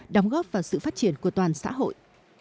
đóng góp vào sự phát triển của toàn xã hội